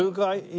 はい。